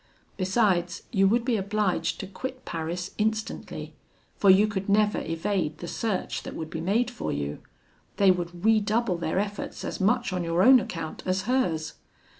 Besides, you would be obliged to quit Paris instantly, for you could never evade the search that would be made for you: they would redouble their efforts as much on your own account as hers.